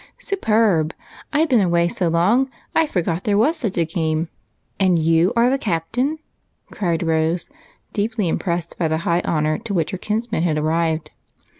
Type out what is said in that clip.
"Superb! I've been away so long I forgot there was such a game. And you the captain?" cried Rose, deeply impressed by the high honor to which her kinsman had arrived.